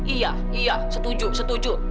iya iya setuju setuju